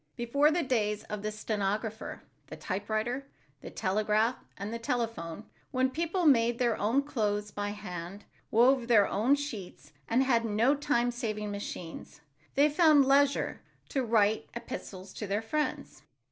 Before the days of the stenographer, the typewriter, the telegraph and telephone, when people made their own clothes by hand, wove their own sheets and had no time saving machines, they found leisure to write epistles to their friends.